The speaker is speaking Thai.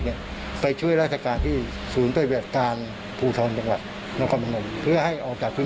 ไม่ใช่ว่าจะโทรให้มาฆ่ากัน